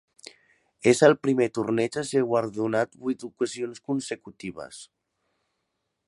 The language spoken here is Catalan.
És el primer torneig a ser guardonat vuit ocasions consecutives.